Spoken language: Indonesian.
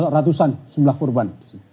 ratusan jumlah kurban